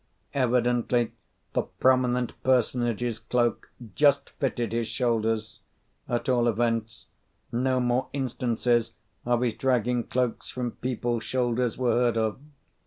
Evidently the prominent personage's cloak just fitted his shoulders; at all events, no more instances of his dragging cloaks from people's shoulders were heard of.